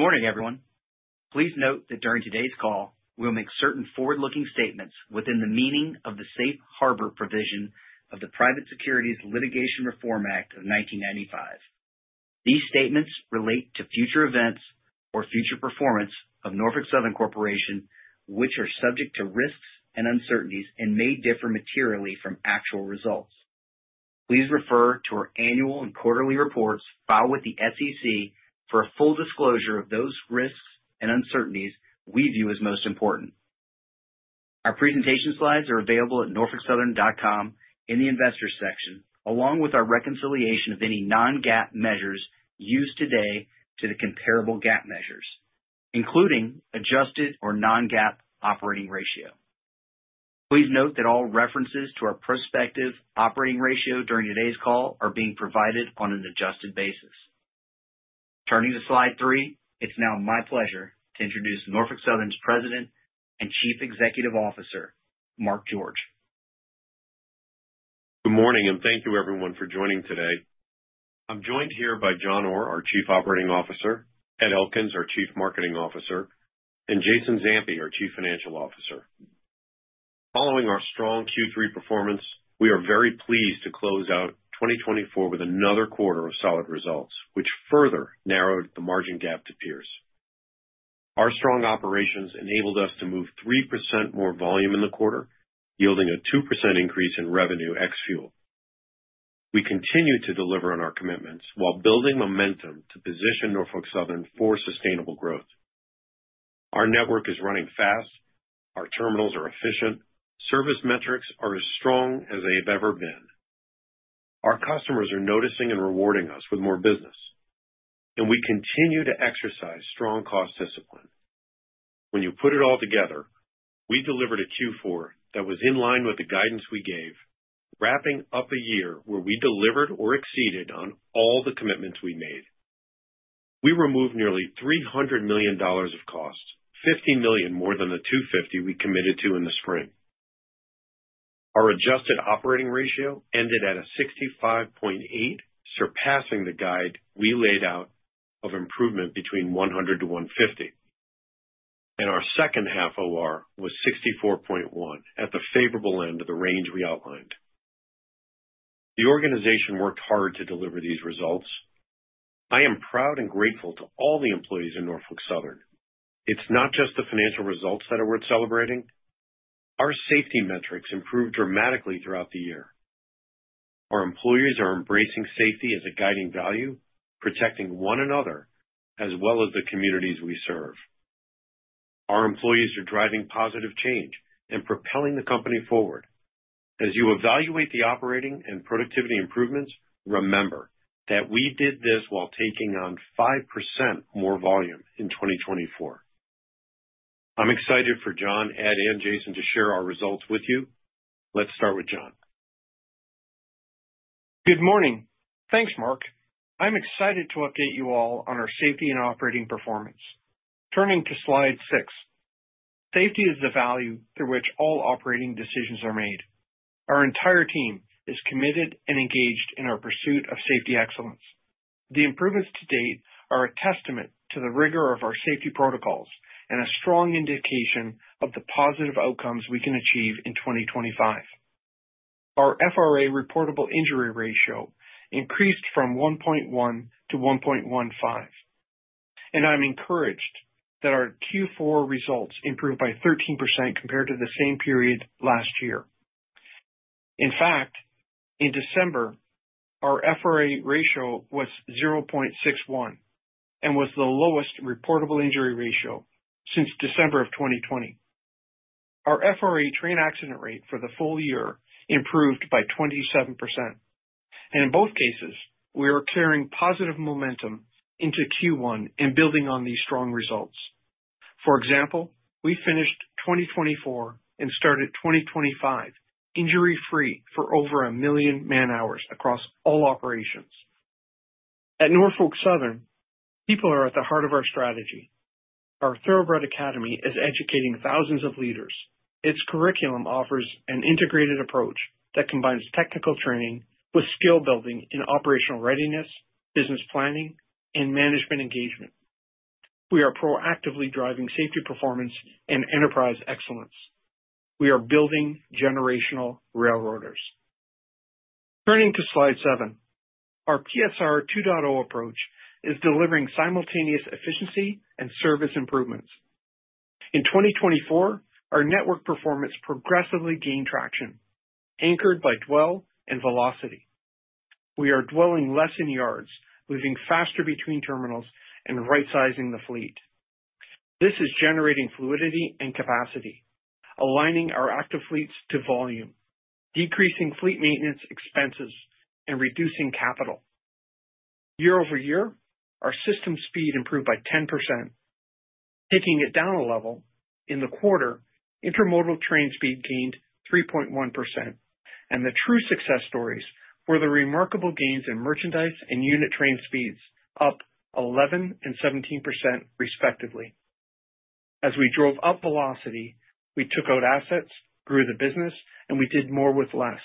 Good morning, everyone. Please note that during today's call, we will make certain forward-looking statements within the meaning of the safe harbor provision of the Private Securities Litigation Reform Act of 1995. These statements relate to future events or future performance of Norfolk Southern Corporation, which are subject to risks and uncertainties and may differ materially from actual results. Please refer to our annual and quarterly reports filed with the SEC for a full disclosure of those risks and uncertainties we view as most important. Our presentation slides are available at norfolksouthern.com in the Investors section, along with our reconciliation of any non-GAAP measures used today to the comparable GAAP measures, including adjusted or non-GAAP operating ratio. Please note that all references to our prospective operating ratio during today's call are being provided on an adjusted basis. Turning to Slide 3, it's now my pleasure to introduce Norfolk Southern's President and Chief Executive Officer, Mark George. Good morning, and thank you, everyone, for joining today. I'm joined here by John Orr, our Chief Operating Officer, Ed Elkins, our Chief Marketing Officer, and Jason Zampi, our Chief Financial Officer. Following our strong Q3 performance, we are very pleased to close out 2024 with another quarter of solid results, which further narrowed the margin gap to peers. Our strong operations enabled us to move 3% more volume in the quarter, yielding a 2% increase in revenue ex-fuel. We continue to deliver on our commitments while building momentum to position Norfolk Southern for sustainable growth. Our network is running fast. Our terminals are efficient. Service metrics are as strong as they have ever been. Our customers are noticing and rewarding us with more business, and we continue to exercise strong cost discipline. When you put it all together, we delivered a Q4 that was in line with the guidance we gave, wrapping up a year where we delivered or exceeded on all the commitments we made. We removed nearly $300 million of cost, $50 million more than the $250 million we committed to in the spring. Our adjusted operating ratio ended at a 65.8, surpassing the guide we laid out of improvement between 100 to 150. And our second half OR was 64.1, at the favorable end of the range we outlined. The organization worked hard to deliver these results. I am proud and grateful to all the employees in Norfolk Southern. It's not just the financial results that are worth celebrating. Our safety metrics improved dramatically throughout the year. Our employees are embracing safety as a guiding value, protecting one another as well as the communities we serve. Our employees are driving positive change and propelling the company forward. As you evaluate the operating and productivity improvements, remember that we did this while taking on 5% more volume in 2024. I'm excited for John, Ed, and Jason to share our results with you. Let's start with John. Good morning. Thanks, Mark. I'm excited to update you all on our safety and operating performance. Turning to Slide 6, safety is the value through which all operating decisions are made. Our entire team is committed and engaged in our pursuit of safety excellence. The improvements to date are a testament to the rigor of our safety protocols and a strong indication of the positive outcomes we can achieve in 2025. Our FRA reportable injury ratio increased from 1.1 to 1.15, and I'm encouraged that our Q4 results improved by 13% compared to the same period last year. In fact, in December, our FRA ratio was 0.61 and was the lowest reportable injury ratio since December of 2020. Our FRA train accident rate for the full year improved by 27%, and in both cases, we are carrying positive momentum into Q1 and building on these strong results. For example, we finished 2024 and started 2025 injury-free for over a million man-hours across all operations. At Norfolk Southern, people are at the heart of our strategy. Our Thoroughbred Academy is educating thousands of leaders. Its curriculum offers an integrated approach that combines technical training with skill-building in operational readiness, business planning, and management engagement. We are proactively driving safety performance and enterprise excellence. We are building generational railroaders. Turning to Slide 7, our PSR 2.0 approach is delivering simultaneous efficiency and service improvements. In 2024, our network performance progressively gained traction, anchored by dwell and velocity. We are dwelling less in yards, moving faster between terminals, and rightsizing the fleet. This is generating fluidity and capacity, aligning our active fleets to volume, decreasing fleet maintenance expenses, and reducing capital. Year over year, our system speed improved by 10%. Taking it down a level, in the quarter, intermodal train speed gained 3.1%, and the true success stories were the remarkable gains in merchandise and unit train speeds, up 11% and 17%, respectively. As we drove up velocity, we took out assets, grew the business, and we did more with less,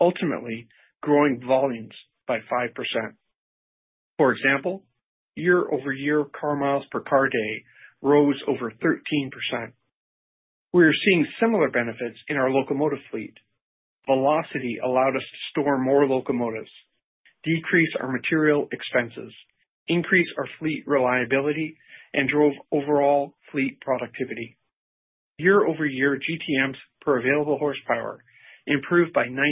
ultimately growing volumes by 5%. For example, year over year, car miles per car day rose over 13%. We are seeing similar benefits in our locomotive fleet. Velocity allowed us to store more locomotives, decrease our material expenses, increase our fleet reliability, and drove overall fleet productivity. Year over year, GTMs per available horsepower improved by 19%.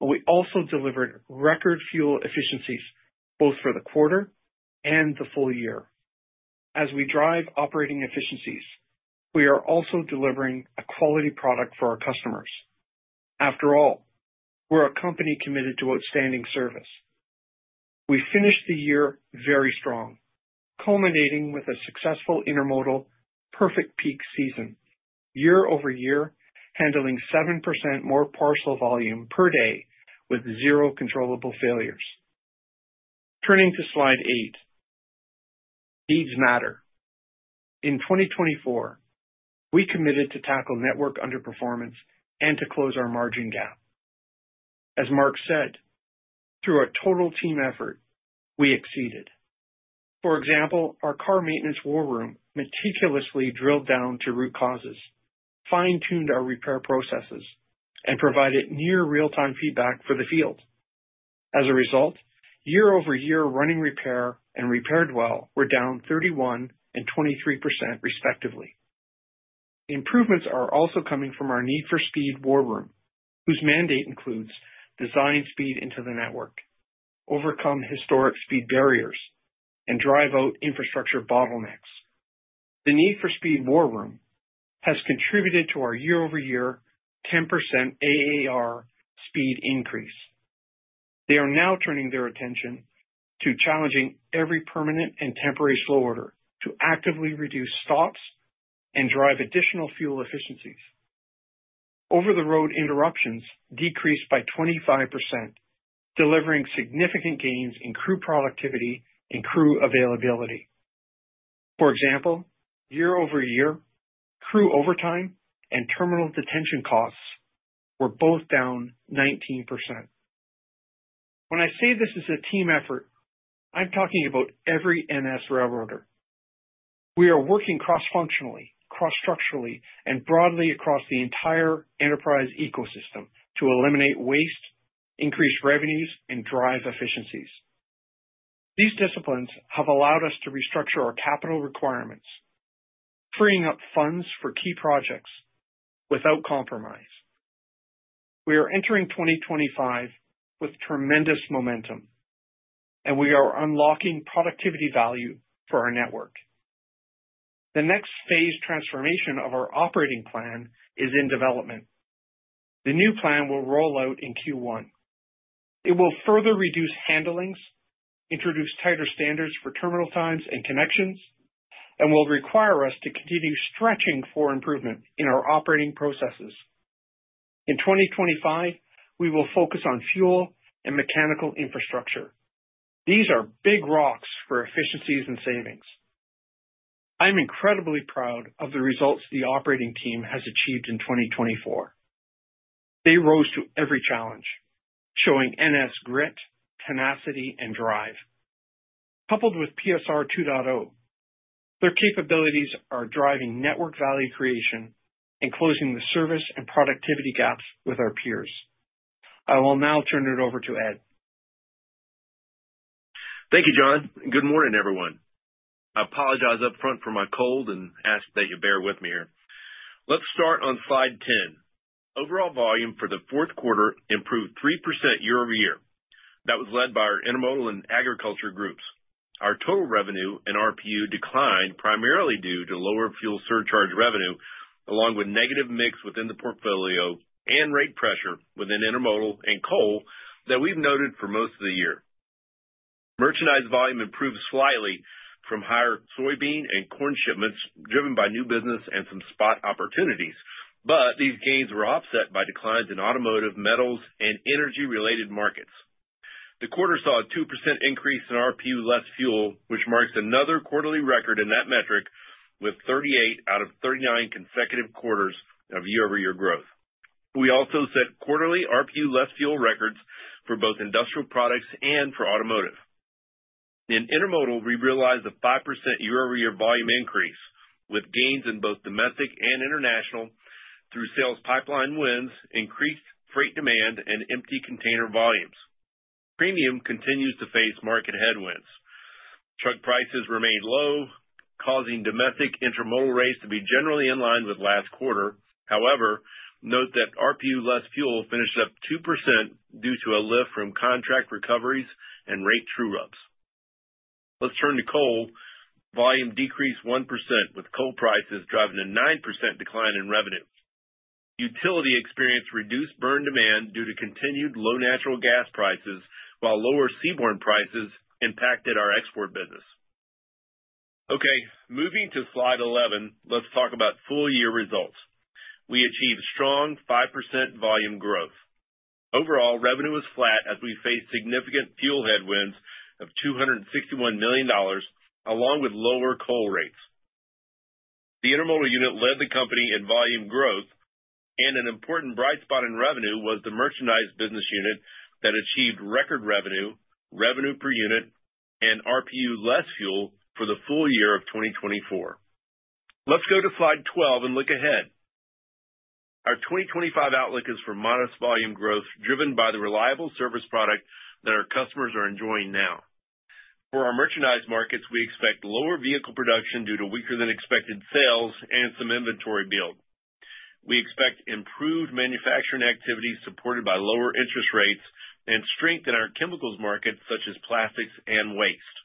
We also delivered record fuel efficiencies both for the quarter and the full year. As we drive operating efficiencies, we are also delivering a quality product for our customers. After all, we're a company committed to outstanding service. We finished the year very strong, culminating with a successful intermodal perfect peak season, year over year handling 7% more parcel volume per day with zero controllable failures. Turning to Slide 8, Needs Matter. In 2024, we committed to tackle network underperformance and to close our margin gap. As Mark said, through a total team effort, we exceeded. For example, our car maintenance war room meticulously drilled down to root causes, fine-tuned our repair processes, and provided near real-time feedback for the field. As a result, year over year, running repair and repair dwell were down 31% and 23%, respectively. Improvements are also coming from our need for speed war room, whose mandate includes designing speed into the network, overcome historic speed barriers, and drive out infrastructure bottlenecks. The need for speed war room has contributed to our year-over-year 10% AAR speed increase. They are now turning their attention to challenging every permanent and temporary slow order to actively reduce stops and drive additional fuel efficiencies. Over-the-road interruptions decreased by 25%, delivering significant gains in crew productivity and crew availability. For example, year over year, crew overtime and terminal detention costs were both down 19%. When I say this is a team effort, I'm talking about every NS railroader. We are working cross-functionally, cross-structurally, and broadly across the entire enterprise ecosystem to eliminate waste, increase revenues, and drive efficiencies. These disciplines have allowed us to restructure our capital requirements, freeing up funds for key projects without compromise. We are entering 2025 with tremendous momentum, and we are unlocking productivity value for our network. The next phase transformation of our operating plan is in development. The new plan will roll out in Q1. It will further reduce handlings, introduce tighter standards for terminal times and connections, and will require us to continue stretching for improvement in our operating processes. In 2025, we will focus on fuel and mechanical infrastructure. These are big rocks for efficiencies and savings. I'm incredibly proud of the results the operating team has achieved in 2024. They rose to every challenge, showing NS grit, tenacity, and drive. Coupled with PSR 2.0, their capabilities are driving network value creation and closing the service and productivity gaps with our peers. I will now turn it over to Ed. Thank you, John. Good morning, everyone. I apologize upfront for my cold and ask that you bear with me here. Let's start on Slide 10. Overall volume for the fourth quarter improved 3% year over year. That was led by our intermodal and agriculture groups. Our total revenue and RPU declined primarily due to lower fuel surcharge revenue, along with negative mix within the portfolio and rate pressure within intermodal and coal that we've noted for most of the year. Merchandise volume improved slightly from higher soybean and corn shipments driven by new business and some spot opportunities, but these gains were offset by declines in automotive, metals, and energy-related markets. The quarter saw a 2% increase in RPU less fuel, which marks another quarterly record in that metric with 38 out of 39 consecutive quarters of year-over-year growth. We also set quarterly RPU less fuel records for both industrial products and for automotive. In intermodal, we realized a 5% year-over-year volume increase with gains in both domestic and international through sales pipeline wins, increased freight demand, and empty container volumes. Premium continues to face market headwinds. Truck prices remained low, causing domestic intermodal rates to be generally in line with last quarter. However, note that RPU less fuel finished up 2% due to a lift from contract recoveries and rate true-ups. Let's turn to coal. Volume decreased 1% with coal prices driving a 9% decline in revenue. Utility experienced reduced burn demand due to continued low natural gas prices, while lower seaborne prices impacted our export business. Okay, moving to Slide 11, let's talk about full-year results. We achieved strong 5% volume growth. Overall, revenue was flat as we faced significant fuel headwinds of $261 million, along with lower coal rates. The intermodal unit led the company in volume growth, and an important bright spot in revenue was the merchandise business unit that achieved record revenue, revenue per unit, and RPU less fuel for the full year of 2024. Let's go to Slide 12 and look ahead. Our 2025 outlook is for modest volume growth driven by the reliable service product that our customers are enjoying now. For our merchandise markets, we expect lower vehicle production due to weaker-than-expected sales and some inventory build. We expect improved manufacturing activities supported by lower interest rates and strength in our chemicals markets, such as plastics and waste.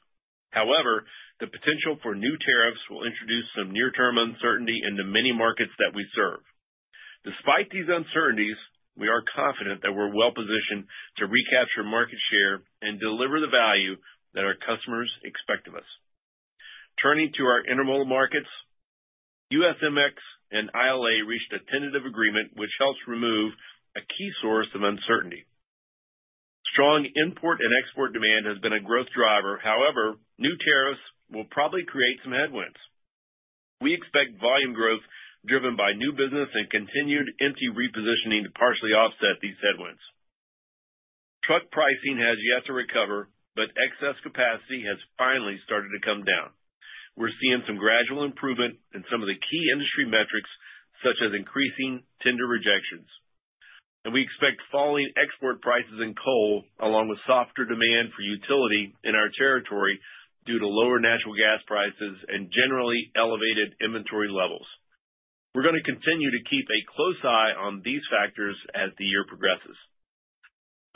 However, the potential for new tariffs will introduce some near-term uncertainty in the many markets that we serve. Despite these uncertainties, we are confident that we're well-positioned to recapture market share and deliver the value that our customers expect of us. Turning to our intermodal markets, USMX and ILA reached a tentative agreement, which helps remove a key source of uncertainty. Strong import and export demand has been a growth driver. However, new tariffs will probably create some headwinds. We expect volume growth driven by new business and continued empty repositioning to partially offset these headwinds. Truck pricing has yet to recover, but excess capacity has finally started to come down. We're seeing some gradual improvement in some of the key industry metrics, such as increasing tender rejections, and we expect falling export prices in coal, along with softer demand for utility in our territory due to lower natural gas prices and generally elevated inventory levels. We're going to continue to keep a close eye on these factors as the year progresses.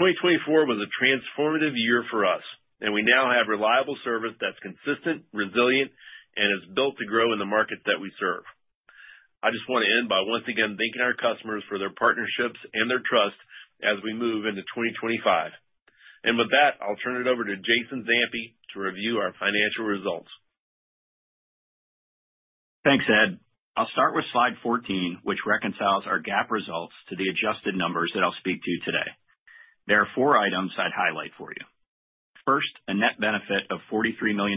2024 was a transformative year for us, and we now have reliable service that's consistent, resilient, and is built to grow in the markets that we serve. I just want to end by once again thanking our customers for their partnerships and their trust as we move into 2025. And with that, I'll turn it over to Jason Zampi to review our financial results. Thanks, Ed. I'll start with Slide 14, which reconciles our GAAP results to the adjusted numbers that I'll speak to today. There are four items I'd highlight for you. First, a net benefit of $43 million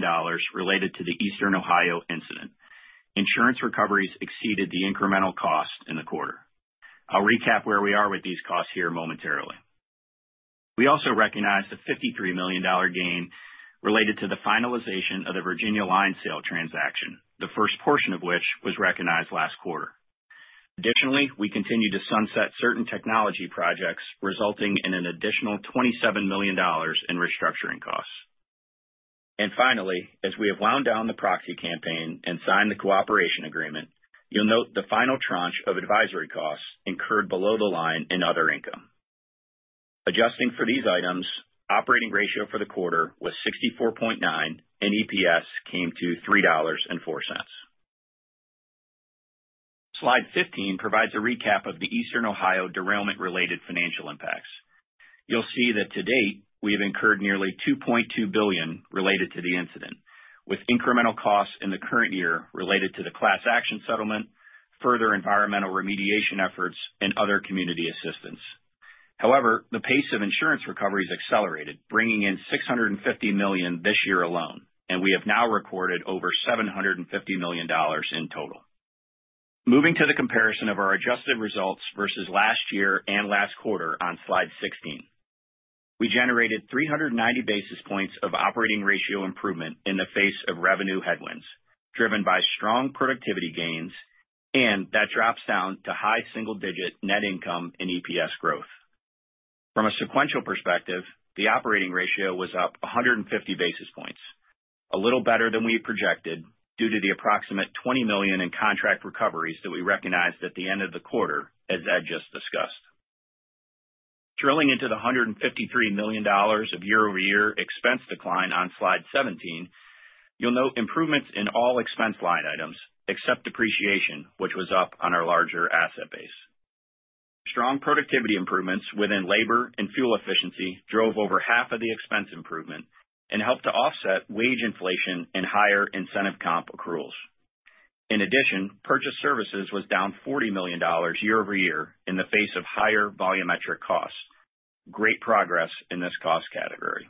related to the Eastern Ohio incident. Insurance recoveries exceeded the incremental cost in the quarter. I'll recap where we are with these costs here momentarily. We also recognize a $53 million gain related to the finalization of the Virginia line sale transaction, the first portion of which was recognized last quarter. Additionally, we continue to sunset certain technology projects, resulting in an additional $27 million in restructuring costs. And finally, as we have wound down the proxy campaign and signed the cooperation agreement, you'll note the final tranche of advisory costs incurred below the line in other income. Adjusting for these items, operating ratio for the quarter was 64.9, and EPS came to $3.04. Slide 15 provides a recap of the Eastern Ohio derailment-related financial impacts. You'll see that to date, we have incurred nearly $2.2 billion related to the incident, with incremental costs in the current year related to the class action settlement, further environmental remediation efforts, and other community assistance. However, the pace of insurance recoveries accelerated, bringing in $650 million this year alone, and we have now recorded over $750 million in total. Moving to the comparison of our adjusted results versus last year and last quarter on Slide 16. We generated 390 basis points of operating ratio improvement in the face of revenue headwinds driven by strong productivity gains, and that drops down to high single-digit net income and EPS growth. From a sequential perspective, the operating ratio was up 150 basis points, a little better than we projected due to the approximate $20 million in contract recoveries that we recognized at the end of the quarter, as Ed just discussed. Drilling into the $153 million of year-over-year expense decline on Slide 17, you'll note improvements in all expense line items except depreciation, which was up on our larger asset base. Strong productivity improvements within labor and fuel efficiency drove over half of the expense improvement and helped to offset wage inflation and higher incentive comp accruals. In addition, purchased services was down $40 million year-over-year in the face of higher volumetric costs. Great progress in this cost category.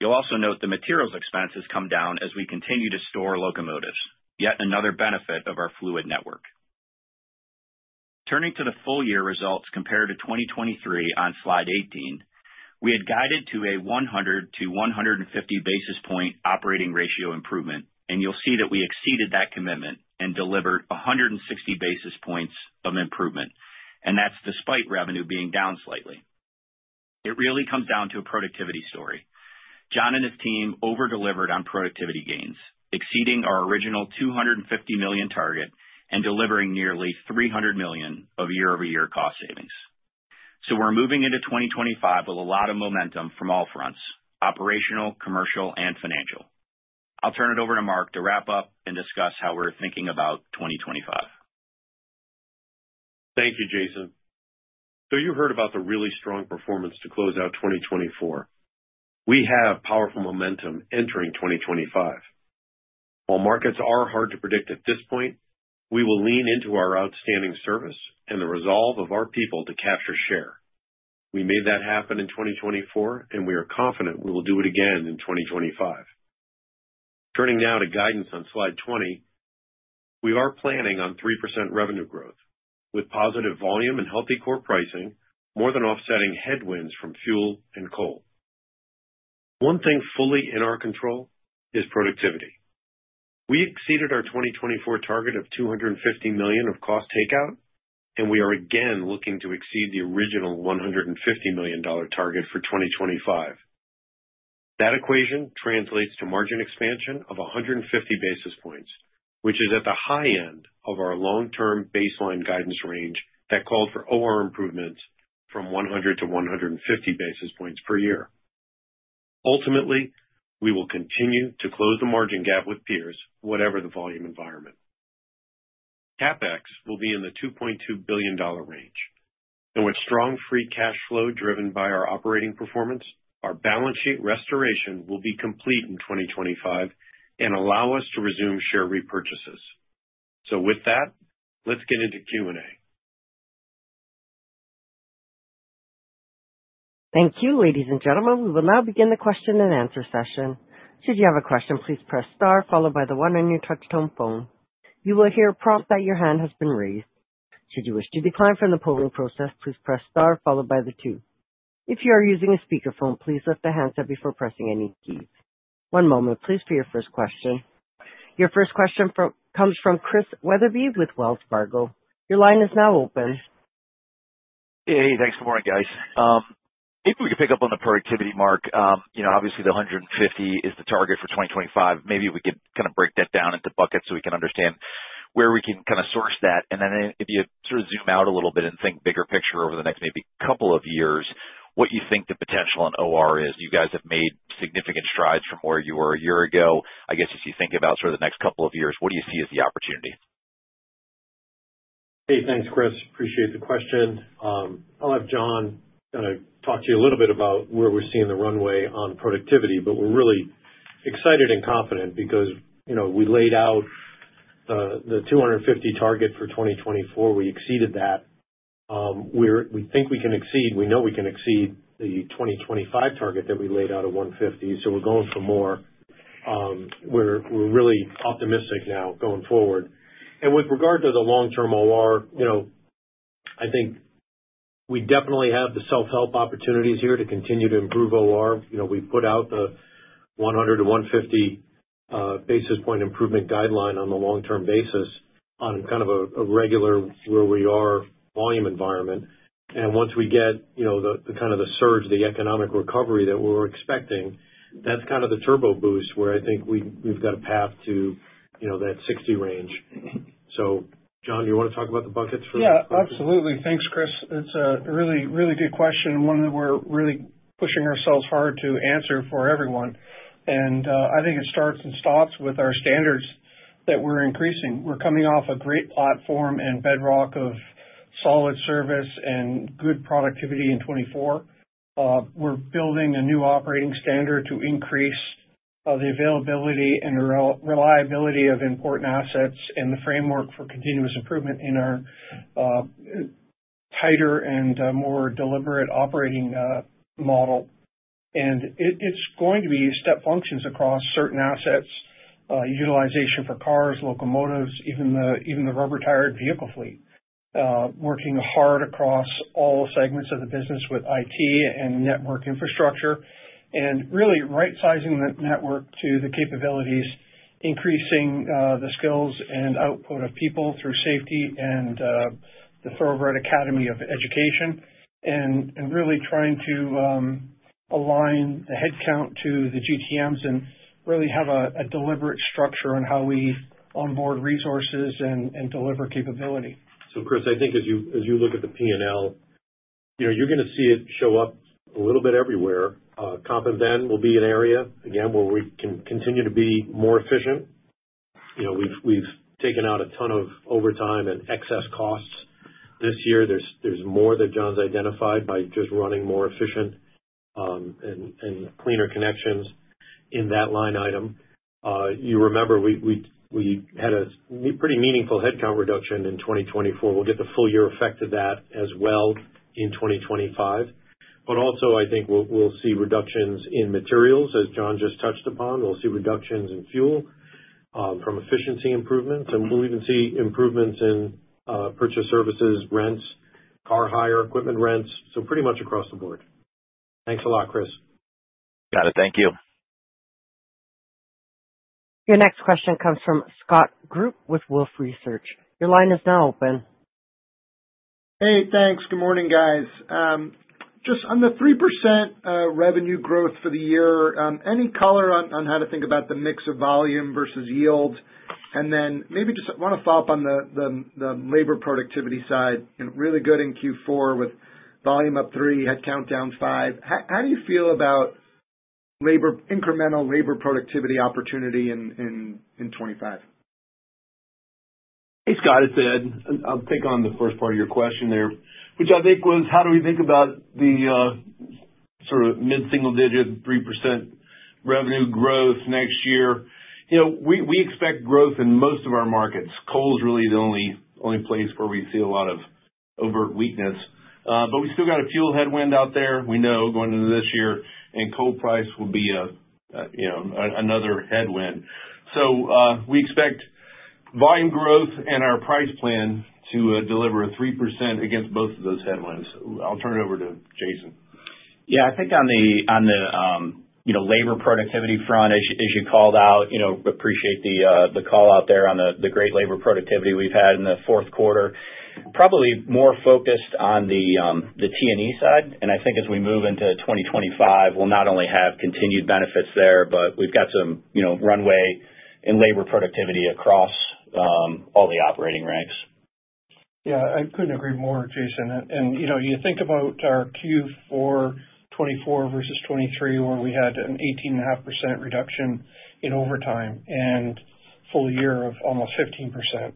You'll also note the materials expenses come down as we continue to store locomotives, yet another benefit of our fluid network. Turning to the full-year results compared to 2023 on Slide 18, we had guided to a 100 to 150 basis point operating ratio improvement, and you'll see that we exceeded that commitment and delivered 160 basis points of improvement, and that's despite revenue being down slightly. It really comes down to a productivity story. John and his team over-delivered on productivity gains, exceeding our original $250 million target and delivering nearly $300 million of year-over-year cost savings. So we're moving into 2025 with a lot of momentum from all fronts: operational, commercial, and financial. I'll turn it over to Mark to wrap up and discuss how we're thinking about 2025. Thank you, Jason. So you heard about the really strong performance to close out 2024. We have powerful momentum entering 2025. While markets are hard to predict at this point, we will lean into our outstanding service and the resolve of our people to capture share. We made that happen in 2024, and we are confident we will do it again in 2025. Turning now to guidance on Slide 20, we are planning on 3% revenue growth with positive volume and healthy core pricing, more than offsetting headwinds from fuel and coal. One thing fully in our control is productivity. We exceeded our 2024 target of $250 million of cost takeout, and we are again looking to exceed the original $150 million target for 2025. That equation translates to margin expansion of 150 basis points, which is at the high end of our long-term baseline guidance range that called for OR improvements from 100 to 150 basis points per year. Ultimately, we will continue to close the margin gap with peers, whatever the volume environment. CapEx will be in the $2.2 billion range. And with strong free cash flow driven by our operating performance, our balance sheet restoration will be complete in 2025 and allow us to resume share repurchases. So with that, let's get into Q&A. Thank you, ladies and gentlemen. We will now begin the question and answer session. Should you have a question, please press star, followed by the one on your touch-tone phone. You will hear a prompt that your hand has been raised. Should you wish to decline from the polling process, please press star, followed by the two. If you are using a speakerphone, please lift the handset up before pressing any keys. One moment, please, for your first question. Your first question comes from Chris Wetherbee with Wells Fargo. Your line is now open. Hey, thanks for the morning, guys. Maybe we could pick up on the productivity, Mark. Obviously, the 150 is the target for 2025. Maybe we could kind of break that down into buckets so we can understand where we can kind of source that. And then if you sort of zoom out a little bit and think bigger picture over the next maybe couple of years, what you think the potential in OR is? You guys have made significant strides from where you were a year ago. I guess as you think about sort of the next couple of years, what do you see as the opportunity? Hey, thanks, Chris. Appreciate the question. I'll have John kind of talk to you a little bit about where we're seeing the runway on productivity, but we're really excited and confident because we laid out the 250 target for 2024. We exceeded that. We think we can exceed. We know we can exceed the 2025 target that we laid out of 150, so we're going for more. We're really optimistic now going forward. And with regard to the long-term OR, I think we definitely have the self-help opportunities here to continue to improve OR. We put out the 100-150 basis point improvement guideline on the long-term basis on kind of a regular where we are volume environment. And once we get the kind of the surge, the economic recovery that we're expecting, that's kind of the turbo boost where I think we've got a path to that 60 range. So John, do you want to talk about the buckets for? Yeah, absolutely. Thanks, Chris. It's a really, really good question, one that we're really pushing ourselves hard to answer for everyone. And I think it starts and stops with our standards that we're increasing. We're coming off a great platform and bedrock of solid service and good productivity in 2024. We're building a new operating standard to increase the availability and reliability of important assets and the framework for continuous improvement in our tighter and more deliberate operating model. And it's going to be step functions across certain assets, utilization for cars, locomotives, even the rubber-tired vehicle fleet, working hard across all segments of the business with IT and network infrastructure, and really right-sizing the network to the capabilities, increasing the skills and output of people through safety and the Thoroughbred Academy of Education, and really trying to align the headcount to the GTMs and really have a deliberate structure on how we onboard resources and deliver capability. So Chris, I think as you look at the P&L, you're going to see it show up a little bit everywhere. Comp and Ben will be an area, again, where we can continue to be more efficient. We've taken out a ton of overtime and excess costs this year. There's more that John's identified by just running more efficient and cleaner connections in that line item. You remember we had a pretty meaningful headcount reduction in 2024. We'll get the full-year effect of that as well in 2025. But also, I think we'll see reductions in materials, as John just touched upon. We'll see reductions in fuel from efficiency improvements, and we'll even see improvements in purchase services, rents, car hire, equipment rents, so pretty much across the board. Thanks a lot, Chris. Got it. Thank you. Your next question comes from Scott Group with Wolfe Research. Your line is now open. Hey, thanks. Good morning, guys. Just on the 3% revenue growth for the year, any color on how to think about the mix of volume versus yield? And then maybe just want to follow up on the labor productivity side. Really good in Q4 with volume up three, headcount down five. How do you feel about incremental labor productivity opportunity in 2025? Hey, Scott is good. I'll take on the first part of your question there, which I think was how do we think about the sort of mid-single-digit 3% revenue growth next year? We expect growth in most of our markets. Coal is really the only place where we see a lot of overt weakness. But we still got a fuel headwind out there. We know going into this year, and coal price will be another headwind. So we expect volume growth and our price plan to deliver a 3% against both of those headwinds. I'll turn it over to Jason. Yeah, I think on the labor productivity front, as you called out, appreciate the call out there on the great labor productivity we've had in the fourth quarter. Probably more focused on the T&E side. And I think as we move into 2025, we'll not only have continued benefits there, but we've got some runway in labor productivity across all the operating ranks. Yeah, I couldn't agree more, Jason. And you think about our Q4 2024 versus 2023, where we had an 18.5% reduction in overtime and full year of almost 15%.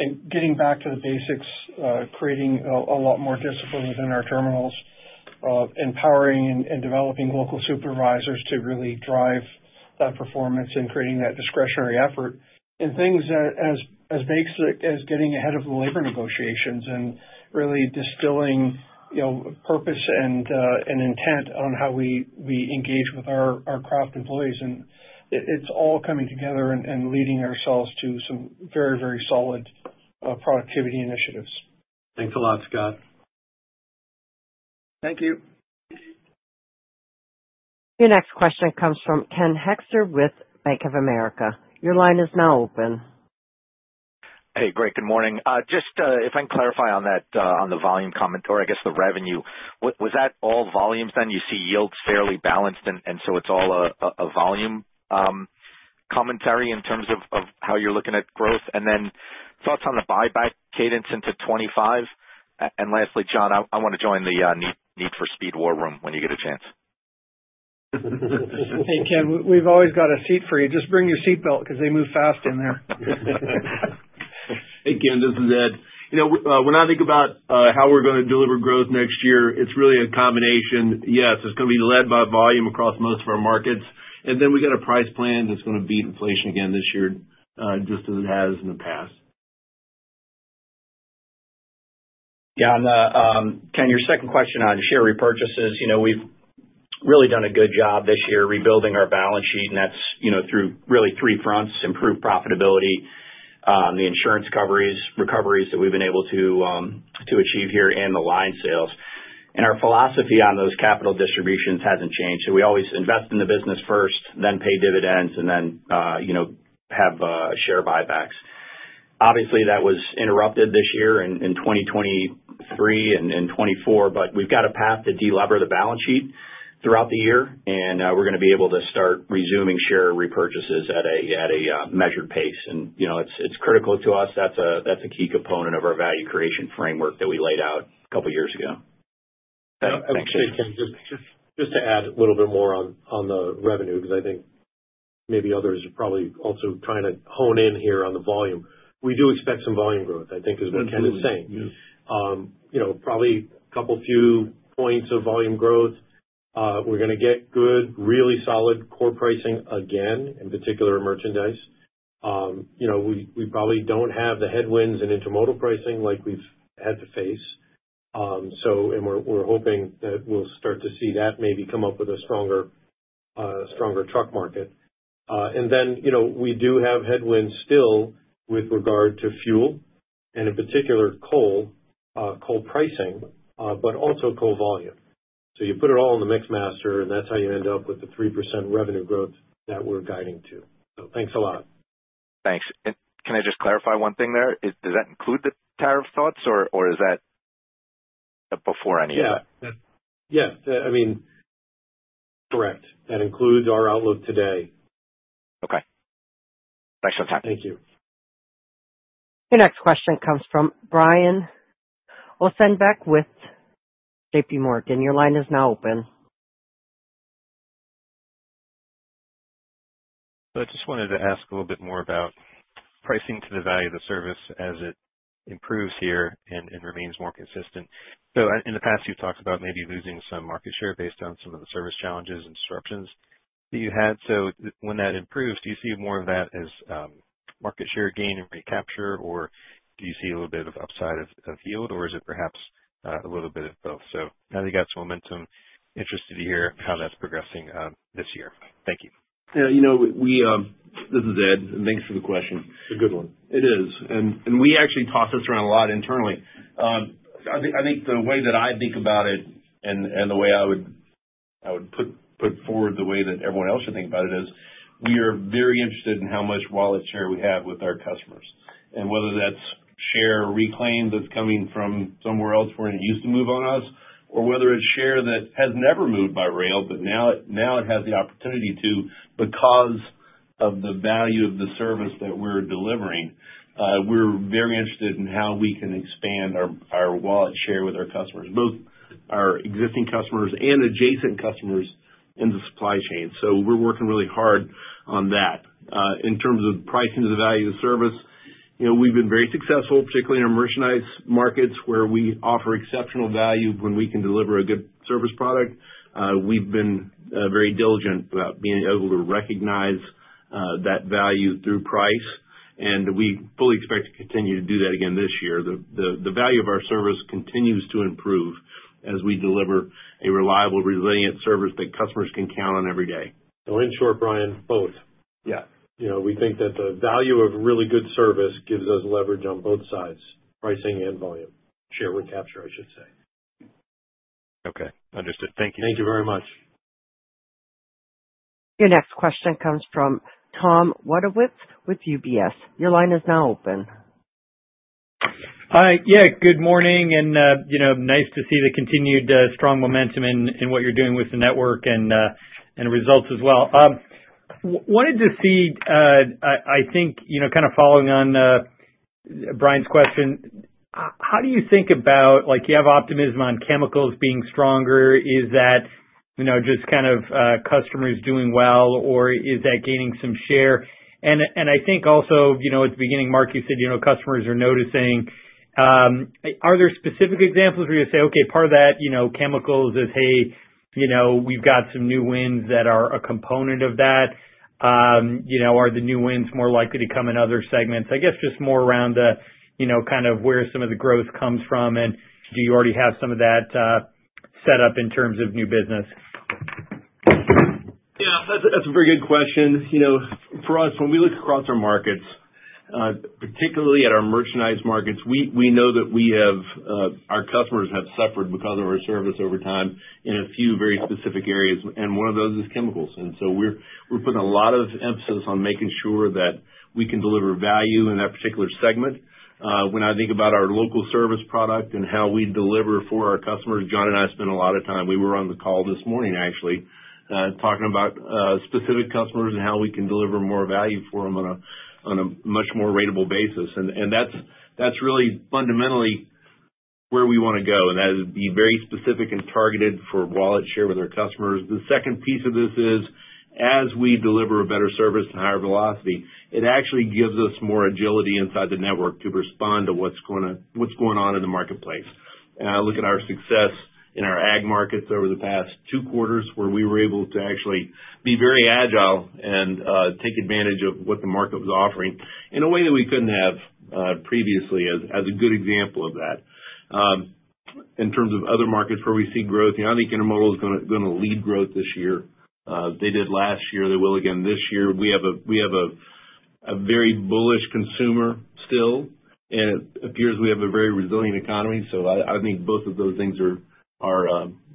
And getting back to the basics, creating a lot more discipline within our terminals, empowering and developing local supervisors to really drive that performance and creating that discretionary effort. And things as basic as getting ahead of the labor negotiations and really distilling purpose and intent on how we engage with our craft employees. And it's all coming together and leading ourselves to some very, very solid productivity initiatives. Thanks a lot, Scott. Thank you. Your next question comes from Ken Hoexter with Bank of America. Your line is now open. Hey, great. Good morning. Just if I can clarify on that, on the volume commentary, I guess the revenue, was that all volumes then? You see yields fairly balanced, and so it's all a volume commentary in terms of how you're looking at growth? And then thoughts on the buyback cadence into 2025? And lastly, John, I want to join the need for speed war room when you get a chance. Hey, Ken, we've always got a seat for you. Just bring your seatbelt because they move fast in there. Hey, Ken, this is Ed. When I think about how we're going to deliver growth next year, it's really a combination. Yes, it's going to be led by volume across most of our markets. And then we got a price plan that's going to beat inflation again this year, just as it has in the past. Yeah, and Ken, your second question on share repurchases. We've really done a good job this year rebuilding our balance sheet, and that's through really three fronts: improved profitability, the insurance recoveries that we've been able to achieve here, and the line sales. Our philosophy on those capital distributions hasn't changed. We always invest in the business first, then pay dividends, and then have share buybacks. Obviously, that was interrupted this year in 2023 and 2024, but we've got a path to deliver the balance sheet throughout the year, and we're going to be able to start resuming share repurchases at a measured pace. It's critical to us. That's a key component of our value creation framework that we laid out a couple of years ago. I would say, Ken, just to add a little bit more on the revenue, because I think maybe others are probably also trying to hone in here on the volume. We do expect some volume growth, I think, is what Ken is saying. Probably a couple few points of volume growth. We're going to get good, really solid core pricing again, in particular merchandise. We probably don't have the headwinds in intermodal pricing like we've had to face. And we're hoping that we'll start to see that maybe come up with a stronger truck market. And then we do have headwinds still with regard to fuel, and in particular coal pricing, but also coal volume. So you put it all in the mix master, and that's how you end up with the 3% revenue growth that we're guiding to. So thanks a lot. Thanks. And can I just clarify one thing there? Does that include the tariff thoughts, or is that before any of that? Yeah. Yeah. I mean, correct. That includes our outlook today. Okay. Thanks for the time. Thank you. Your next question comes from Brian Ossenbeck with JPMorgan. Your line is now open. So I just wanted to ask a little bit more about pricing to the value of the service as it improves here and remains more consistent. So in the past, you've talked about maybe losing some market share based on some of the service challenges and disruptions that you had. So when that improves, do you see more of that as market share gain and recapture, or do you see a little bit of upside of yield, or is it perhaps a little bit of both? So now that you got some momentum, interested to hear how that's progressing this year. Thank you. Yeah. This is Ed, and thanks for the question. It's a good one. And we actually toss this around a lot internally. I think the way that I think about it and the way I would put forward the way that everyone else should think about it is we are very interested in how much wallet share we have with our customers. And whether that's share reclaimed that's coming from somewhere else where it used to move on us, or whether it's share that has never moved by rail, but now it has the opportunity to, because of the value of the service that we're delivering. We're very interested in how we can expand our wallet share with our customers, both our existing customers and adjacent customers in the supply chain. So we're working really hard on that. In terms of pricing to the value of the service, we've been very successful, particularly in our merchandise markets, where we offer exceptional value when we can deliver a good service product. We've been very diligent about being able to recognize that value through price, and we fully expect to continue to do that again this year. The value of our service continues to improve as we deliver a reliable, resilient service that customers can count on every day. So in short, Brian, both. We think that the value of really good service gives us leverage on both sides, pricing and volume, share recapture, I should say. Okay. Understood. Thank you. Thank you very much. Your next question comes from Tom Wadewitz with UBS. Your line is now open. Hi. Yeah, good morning, and nice to see the continued strong momentum in what you're doing with the network and results as well. Wanted to see, I think, kind of following on Brian's question, how do you think about you have optimism on chemicals being stronger? Is that just kind of customers doing well, or is that gaining some share? And I think also at the beginning, Mark, you said customers are noticing. Are there specific examples where you say, "Okay, part of that chemicals is, hey, we've got some new wins that are a component of that." Are the new wins more likely to come in other segments? I guess just more around kind of where some of the growth comes from, and do you already have some of that set up in terms of new business? Yeah, that's a very good question. For us, when we look across our markets, particularly at our merchandise markets, we know that our customers have suffered because of our service over time in a few very specific areas, and one of those is chemicals. And so we're putting a lot of emphasis on making sure that we can deliver value in that particular segment. When I think about our local service product and how we deliver for our customers, John and I spent a lot of time, we were on the call this morning, actually, talking about specific customers and how we can deliver more value for them on a much more ratable basis. And that's really fundamentally where we want to go, and that is be very specific and targeted for wallet share with our customers. The second piece of this is, as we deliver a better service and higher velocity, it actually gives us more agility inside the network to respond to what's going on in the marketplace, and I look at our success in our ag markets over the past two quarters, where we were able to actually be very agile and take advantage of what the market was offering in a way that we couldn't have previously as a good example of that. In terms of other markets where we see growth, I think Intermodal is going to lead growth this year. They did last year. They will again this year. We have a very bullish consumer still, and it appears we have a very resilient economy, so I think both of those things are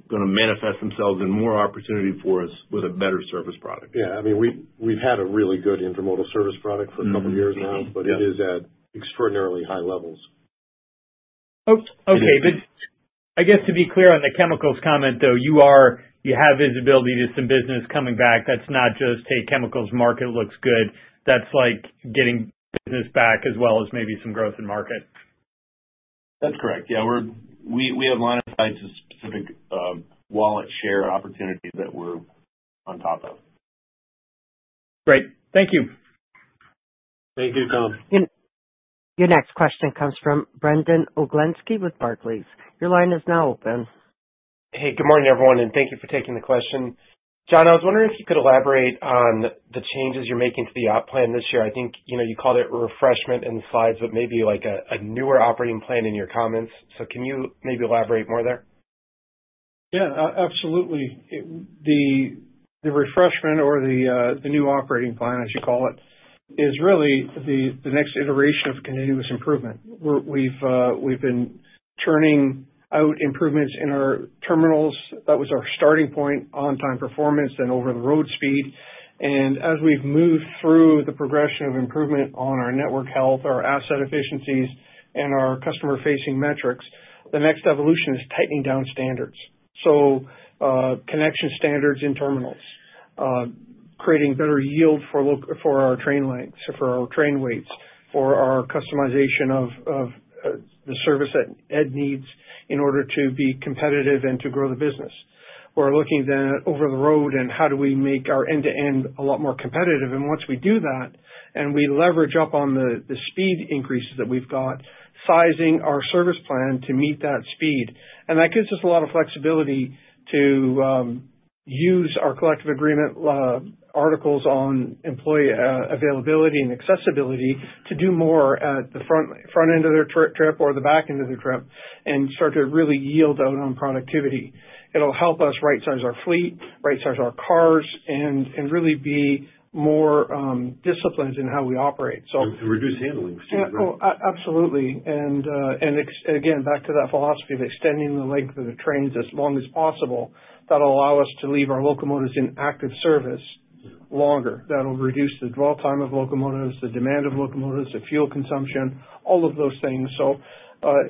going to manifest themselves in more opportunity for us with a better service product. Yeah. I mean, we've had a really good Intermodal service product for a couple of years now, but it is at extraordinarily high levels. Okay. But I guess to be clear on the chemicals comment, though, you have visibility to some business coming back. That's not just, "Hey, chemicals market looks good." That's like getting business back as well as maybe some growth in market. That's correct. We have modified some specific wallet share opportunities that we're on top of. Great. Thank you. Thank you, Tom. Your next question comes from Brandon Oglenski with Barclays. Your line is now open. Hey, good morning, everyone, and thank you for taking the question. John, I was wondering if you could elaborate on the changes you're making to the op plan this year? I think you called it a refreshment in the slides, but maybe like a newer operating plan in your comments. So can you maybe elaborate more there? Yeah, absolutely. The refresh or the new operating plan, as you call it, is really the next iteration of continuous improvement. We've been churning out improvements in our terminals. That was our starting point on time performance and over-the-road speed, and as we've moved through the progression of improvement on our network health, our asset efficiencies, and our customer-facing metrics, the next evolution is tightening down standards, so connection standards in terminals, creating better yield for our train lengths, for our train weights, for our customization of the service that Ed needs in order to be competitive and to grow the business. We're looking then at over-the-road and how do we make our end-to-end a lot more competitive, and once we do that and we leverage up on the speed increases that we've got, sizing our service plan to meet that speed. That gives us a lot of flexibility to use our collective agreement articles on employee availability and accessibility to do more at the front end of their trip or the back end of their trip and start to really yield out on productivity. It'll help us right-size our fleet, right-size our cars, and really be more disciplined in how we operate. Reduce handling. Absolutely. And again, back to that philosophy of extending the length of the trains as long as possible, that'll allow us to leave our locomotives in active service longer. That'll reduce the dwell time of locomotives, the demand of locomotives, the fuel consumption, all of those things. So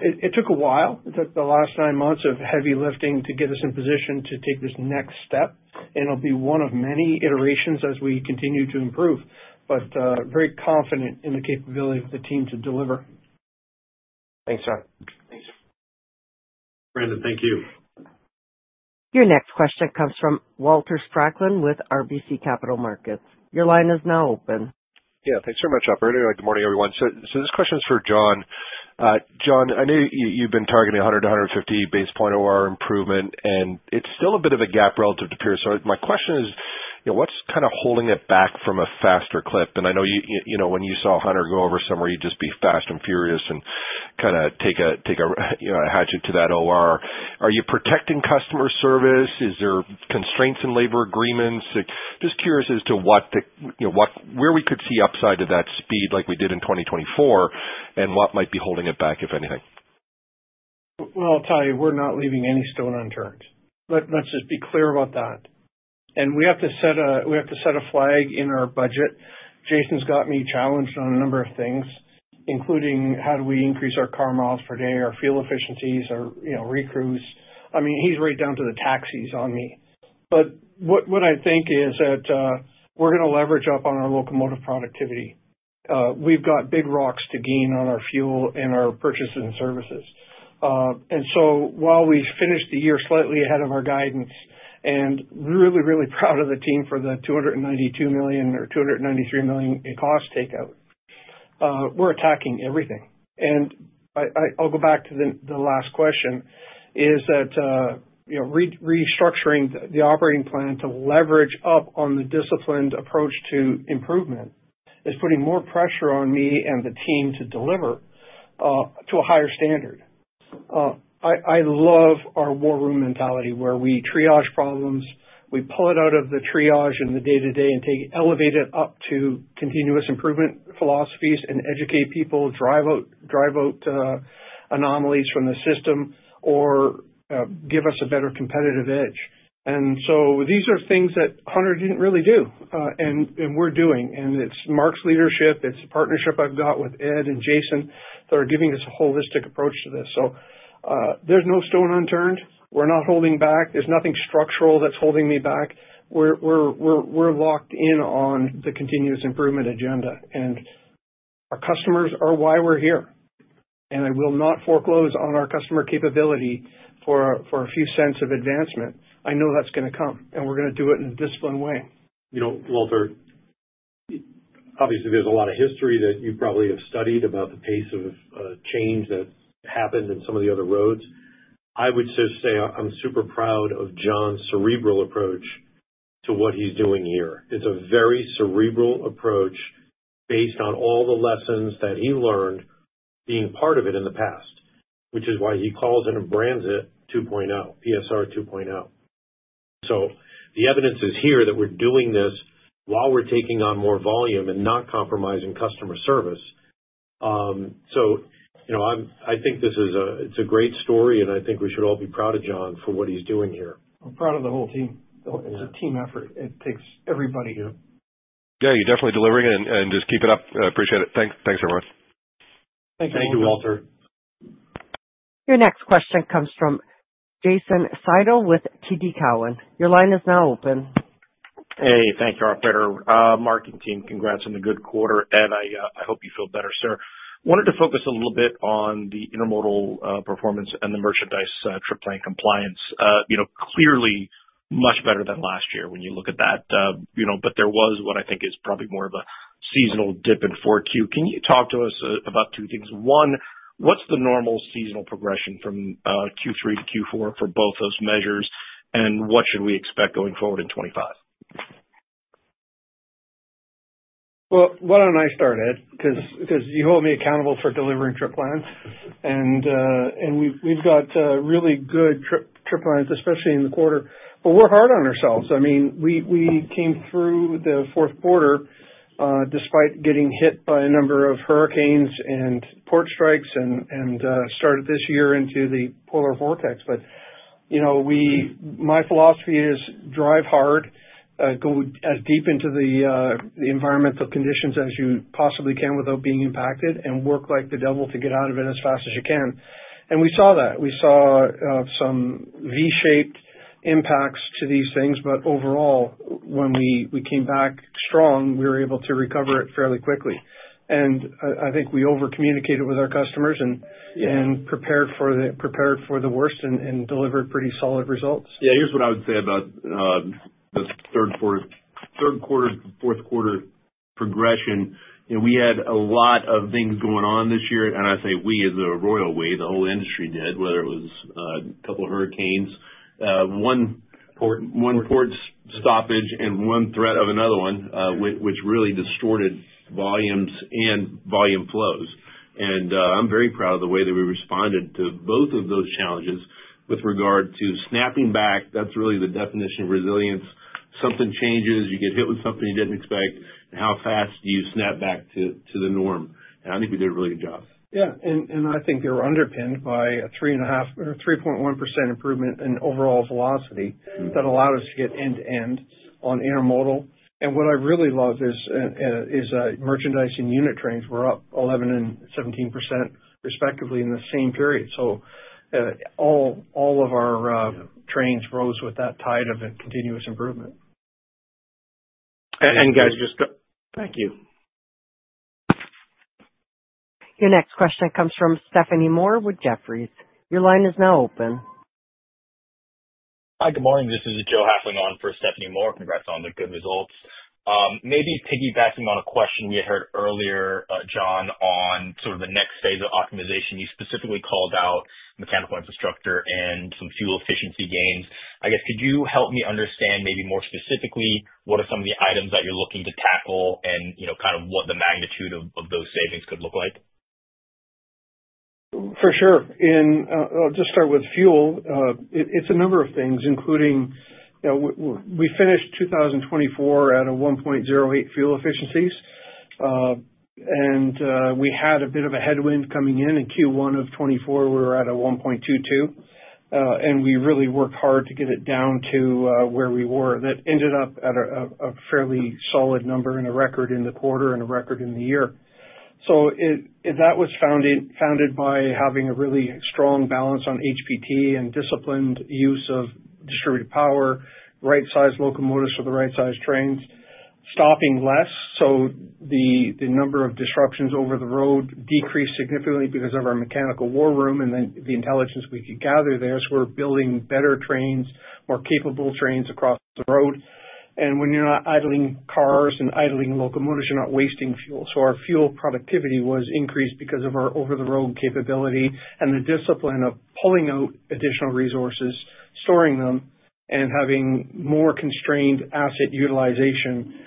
it took a while. It took the last nine months of heavy lifting to get us in position to take this next step. And it'll be one of many iterations as we continue to improve, but very confident in the capability of the team to deliver. Thanks, John. Thanks, Brandon. Thank you. Your next question comes from Walter Spracklin with RBC Capital Markets. Your line is now open. Yeah. Thanks very much, Alberto. Good morning, everyone. So this question is for John. John, I know you've been targeting 100-150 basis points OR improvement, and it's still a bit of a gap relative to peers. So my question is, what's kind of holding it back from a faster clip? And I know when you saw Hunter go over somewhere, you'd just be fast and furious and kind of take a hatchet to that OR. Are you protecting customer service? Is there constraints in labor agreements? Just curious as to where we could see upside to that speed like we did in 2024, and what might be holding it back, if anything? I'll tell you, we're not leaving any stone unturned. Let's just be clear about that. And we have to set a flag in our budget. Jason's got me challenged on a number of things, including how do we increase our car miles per car day, our fuel efficiencies, our RPUs. I mean, he's right down to the taxes on me. But what I think is that we're going to leverage up on our locomotive productivity. We've got big rocks to gain on our fuel and our purchases and services. And so while we finished the year slightly ahead of our guidance and really, really proud of the team for the $292 million or $293 million in cost takeout, we're attacking everything. And I'll go back to the last question, is that restructuring the operating plan to leverage up on the disciplined approach to improvement is putting more pressure on me and the team to deliver to a higher standard. I love our war room mentality where we triage problems, we pull it out of the triage and the day-to-day and elevate it up to continuous improvement philosophies and educate people, drive out anomalies from the system, or give us a better competitive edge. And so these are things that Hunter didn't really do and we're doing. And it's Mark's leadership. It's the partnership I've got with Ed and Jason that are giving us a holistic approach to this. So there's no stone unturned. We're not holding back. There's nothing structural that's holding me back. We're locked in on the continuous improvement agenda, and our customers are why we're here. I will not foreclose on our customer capability for a few cents of advancement. I know that's going to come, and we're going to do it in a disciplined way. Walter, obviously, there's a lot of history that you probably have studied about the pace of change that happened in some of the other roads. I would just say I'm super proud of John's cerebral approach to what he's doing here. It's a very cerebral approach based on all the lessons that he learned being part of it in the past, which is why he calls it a PSR 2.0, PSR 2.0. So the evidence is here that we're doing this while we're taking on more volume and not compromising customer service. So I think this is a great story, and I think we should all be proud of John for what he's doing here. I'm proud of the whole team. It's a team effort. It takes everybody here. Yeah, you're definitely delivering it, and just keep it up. I appreciate it. Thanks, everyone. Thank you. Thank you, Walter. Your next question comes from Jason Seidel with TD Cowen. Your line is now open. Hey, thank you, our great marketing team. Congrats on the good quarter, Ed. I hope you feel better, sir. Wanted to focus a little bit on the intermodal performance and the merchandise trip plan compliance. Clearly, much better than last year when you look at that. But there was what I think is probably more of a seasonal dip in 4Q. Can you talk to us about two things? One, what's the normal seasonal progression from Q3 to Q4 for both those measures, and what should we expect going forward in 2025? Why don't I start, Ed, because you hold me accountable for delivering trip plans. We've got really good trip plans, especially in the quarter. We're hard on ourselves. I mean, we came through the fourth quarter despite getting hit by a number of hurricanes and port strikes and started this year into the polar vortex. My philosophy is drive hard, go as deep into the environmental conditions as you possibly can without being impacted, and work like the devil to get out of it as fast as you can. We saw that. We saw some V-shaped impacts to these things. Overall, when we came back strong, we were able to recover it fairly quickly. I think we over-communicated with our customers and prepared for the worst and delivered pretty solid results. Yeah, here's what I would say about the third quarter, fourth quarter progression. We had a lot of things going on this year, and I say we as a royal we, the whole industry did, whether it was a couple of hurricanes, one port stoppage and one threat of another one, which really distorted volumes and volume flows. And I'm very proud of the way that we responded to both of those challenges with regard to snapping back. That's really the definition of resilience. Something changes, you get hit with something you didn't expect, and how fast do you snap back to the norm? And I think we did a really good job. Yeah. And I think they were underpinned by a 3.5 or 3.1% improvement in overall velocity that allowed us to get end-to-end on intermodal. And what I really love is merchandise and unit trains. We're up 11 and 17% respectively in the same period. So all of our trains rose with that tide of continuous improvement. And guys, just thank you. Your next question comes from Stephanie Moore with Jefferies. Your line is now open. Hi, good morning. This is Joe Hafling on for Stephanie Moore. Congrats on the good results. Maybe piggybacking on a question we had heard earlier, John, on sort of the next phase of optimization. You specifically called out mechanical infrastructure and some fuel efficiency gains. I guess, could you help me understand maybe more specifically what are some of the items that you're looking to tackle and kind of what the magnitude of those savings could look like? For sure. And I'll just start with fuel. It's a number of things, including we finished 2024 at a 1.08 fuel efficiencies. And we had a bit of a headwind coming in. In Q1 of 2024, we were at a 1.22. And we really worked hard to get it down to where we were. That ended up at a fairly solid number and a record in the quarter and a record in the year. So that was fueled by having a really strong balance on HPT and disciplined use of distributed power, right-sized locomotives for the right-sized trains, stopping less. So the number of disruptions over the road decreased significantly because of our mechanical war room and the intelligence we could gather there. So we're building better trains, more capable trains across the road. And when you're not idling cars and idling locomotives, you're not wasting fuel. So our fuel productivity was increased because of our over-the-road capability and the discipline of pulling out additional resources, storing them, and having more constrained asset utilization.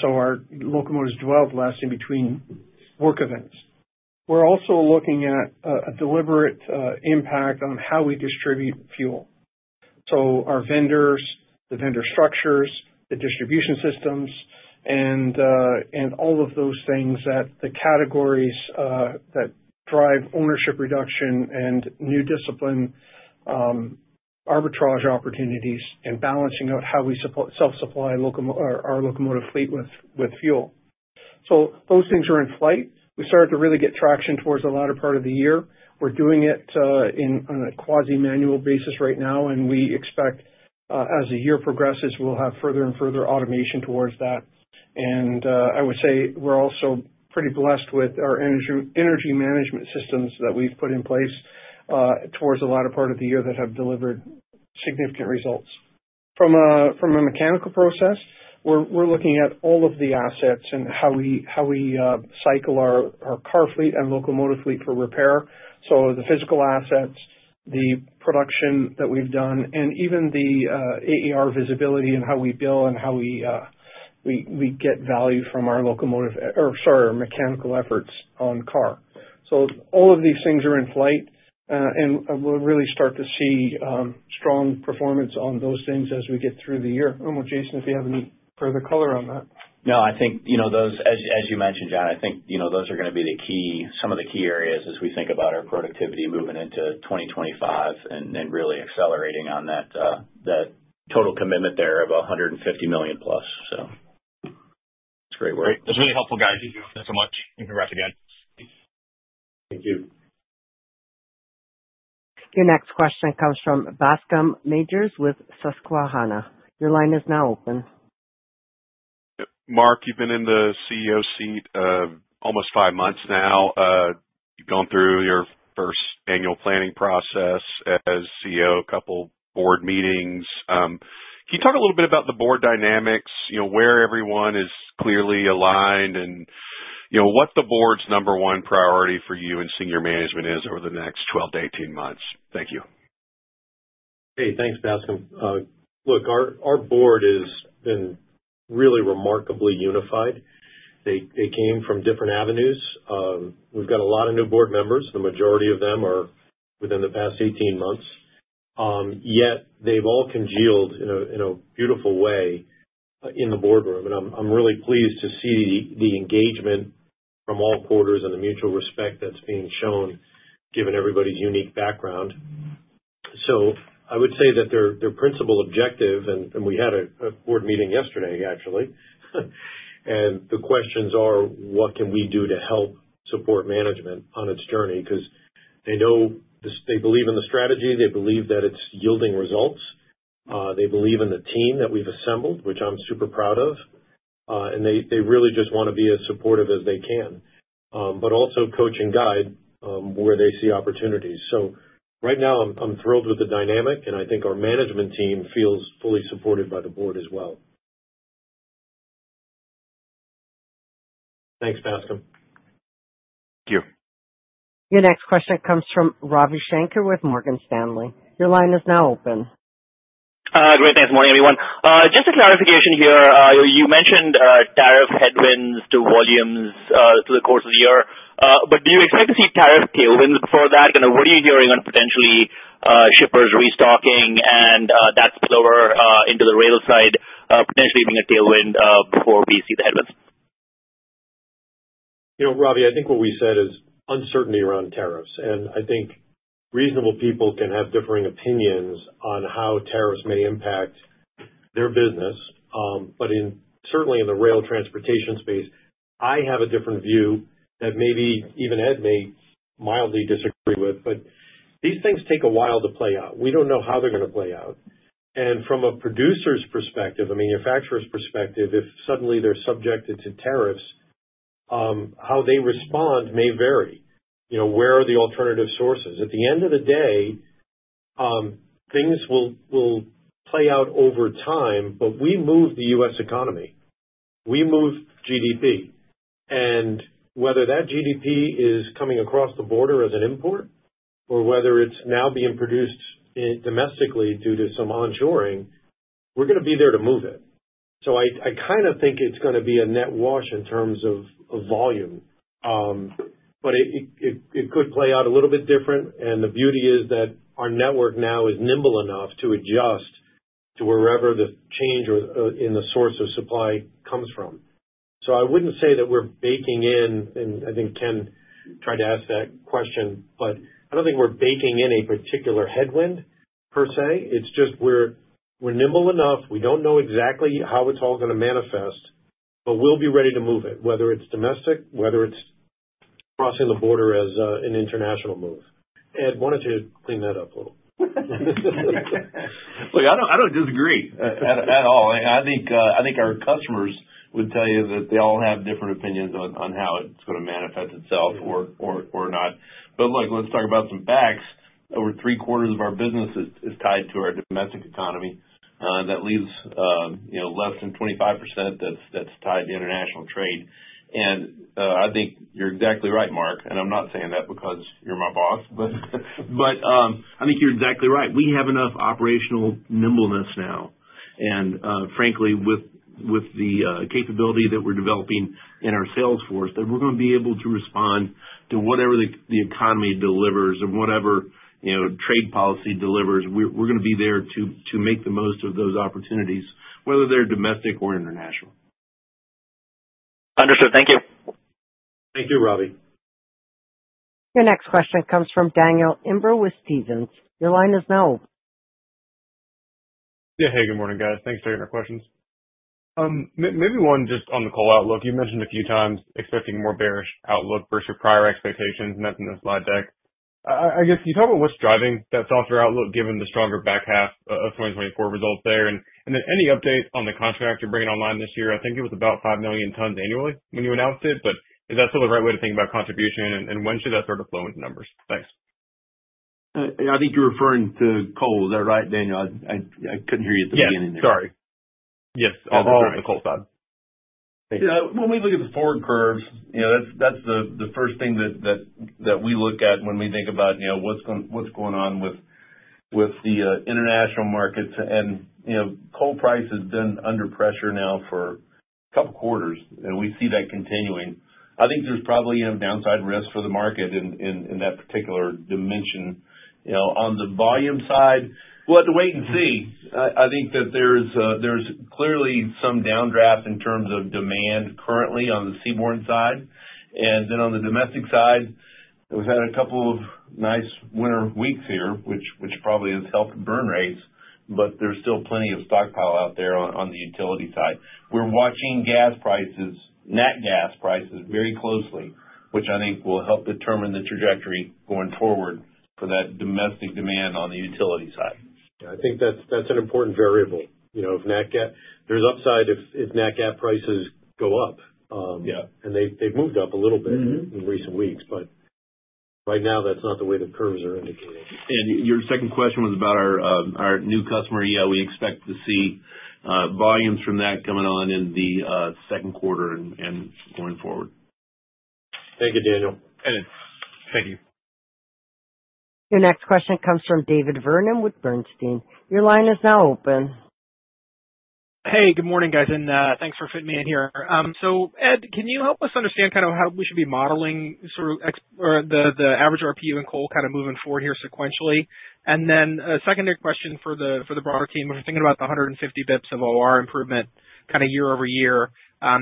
So our locomotives dwelled less in between work events. We're also looking at a deliberate impact on how we distribute fuel. So our vendors, the vendor structures, the distribution systems, and all of those things, the categories that drive ownership reduction and new discipline, arbitrage opportunities, and balancing out how we self-supply our locomotive fleet with fuel. So those things are in flight. We started to really get traction towards the latter part of the year. We're doing it on a quasi-manual basis right now. And we expect as the year progresses, we'll have further and further automation towards that. I would say we're also pretty blessed with our energy management systems that we've put in place towards the latter part of the year that have delivered significant results. From a mechanical process, we're looking at all of the assets and how we cycle our car fleet and locomotive fleet for repair. The physical assets, the production that we've done, and even the AAR visibility and how we bill and how we get value from our locomotive or, sorry, our mechanical efforts on car. All of these things are in flight. We'll really start to see strong performance on those things as we get through the year. I don't know, Jason, if you have any further color on that. No, I think those, as you mentioned, John, I think those are going to be the key, some of the key areas as we think about our productivity moving into 2025 and really accelerating on that total commitment there of $150 million plus. So that's great work. That's really helpful, guys. Thank you so much. Congrats again. Thank you. Your next question comes from Bascome Majors with Susquehanna. Your line is now open. Mark, you've been in the CEO seat almost five months now. You've gone through your first annual planning process as CEO, a couple of board meetings. Can you talk a little bit about the board dynamics, where everyone is clearly aligned, and what the board's number one priority for you and senior management is over the next 12 to 18 months? Thank you. Hey, thanks, Bascom. Look, our board has been really remarkably unified. They came from different avenues. We've got a lot of new board members. The majority of them are within the past 18 months. Yet they've all congealed in a beautiful way in the boardroom, and I'm really pleased to see the engagement from all quarters and the mutual respect that's being shown, given everybody's unique background, so I would say that their principal objective, and we had a board meeting yesterday, actually, and the questions are, what can we do to help support management on its journey? Because they know they believe in the strategy. They believe that it's yielding results. They believe in the team that we've assembled, which I'm super proud of, and they really just want to be as supportive as they can, but also coach and guide where they see opportunities. So right now, I'm thrilled with the dynamic. And I think our management team feels fully supported by the board as well. Thanks, Bascome. Thank you. Your next question comes from Ravi Shanker with Morgan Stanley. Your line is now open. Great. Good morning, everyone. Just a clarification here. You mentioned tariff headwinds to volumes through the course of the year. But do you expect to see tariff tailwinds before that? What are you hearing on potentially shippers restocking and that spillover into the rail side, potentially being a tailwind before we see the headwinds? Ravi, I think what we said is uncertainty around tariffs, and I think reasonable people can have differing opinions on how tariffs may impact their business, but certainly in the rail transportation space, I have a different view that maybe even Ed may mildly disagree with, but these things take a while to play out. We don't know how they're going to play out, and from a producer's perspective, a manufacturer's perspective, if suddenly they're subjected to tariffs, how they respond may vary. Where are the alternative sources? At the end of the day, things will play out over time, but we move the U.S. economy. We move GDP, and whether that GDP is coming across the border as an import or whether it's now being produced domestically due to some onshoring, we're going to be there to move it. So I kind of think it's going to be a net wash in terms of volume. But it could play out a little bit different. And the beauty is that our network now is nimble enough to adjust to wherever the change in the source of supply comes from. So I wouldn't say that we're baking in, and I think Ken tried to ask that question, but I don't think we're baking in a particular headwind per se. It's just we're nimble enough. We don't know exactly how it's all going to manifest, but we'll be ready to move it, whether it's domestic, whether it's crossing the border as an international move. Ed, why don't you clean that up a little? Look, I don't disagree at all. I think our customers would tell you that they all have different opinions on how it's going to manifest itself or not. But look, let's talk about some facts. Over three quarters of our business is tied to our domestic economy. That leaves less than 25% that's tied to international trade. And I think you're exactly right, Mark. And I'm not saying that because you're my boss. But I think you're exactly right. We have enough operational nimbleness now. And frankly, with the capability that we're developing in our sales force, that we're going to be able to respond to whatever the economy delivers or whatever trade policy delivers. We're going to be there to make the most of those opportunities, whether they're domestic or international. Understood. Thank you. Thank you, Ravi. Your next question comes from Daniel Imbro with Stephens. Your line is now open. Yeah. Hey, good morning, guys. Thanks for taking our questions. Maybe one just on the callout look. You mentioned a few times expecting a more bearish outlook versus your prior expectations. And that's in the slide deck. I guess, can you talk about what's driving that softer outlook given the stronger back half of 2024 results there? And then any update on the contract you're bringing online this year? I think it was about 5 million tons annually when you announced it. But is that still the right way to think about contribution? And when should that sort of flow into numbers? Thanks. I think you're referring to coal. Is that right, Daniel? I couldn't hear you at the beginning there. Yeah. Sorry. Yes. All the coal side. When we look at the forward curve, that's the first thing that we look at when we think about what's going on with the international markets. And coal price has been under pressure now for a couple of quarters. And we see that continuing. I think there's probably downside risk for the market in that particular dimension. On the volume side, we'll have to wait and see. I think that there's clearly some downdraft in terms of demand currently on the seaborne side. And then on the domestic side, we've had a couple of nice winter weeks here, which probably has helped burn rates. But there's still plenty of stockpile out there on the utility side. We're watching gas prices, nat gas prices, very closely, which I think will help determine the trajectory going forward for that domestic demand on the utility side. I think that's an important variable. There's upside if nat gas prices go up. And they've moved up a little bit in recent weeks. But right now, that's not the way the curves are indicated. Your second question was about our new customer. Yeah, we expect to see volumes from that coming on in the second quarter and going forward. Thank you, Daniel. Ed, thank you. Your next question comes from David Vernon with Bernstein. Your line is now open. Hey, good morning, guys. And thanks for fitting me in here. So Ed, can you help us understand kind of how we should be modeling sort of the average RPU in coal kind of moving forward here sequentially? And then a secondary question for the broader team. If you're thinking about the 150 basis points of OR improvement kind of year over year,